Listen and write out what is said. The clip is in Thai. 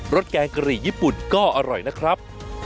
สแกงกะหรี่ญี่ปุ่นก็อร่อยนะครับ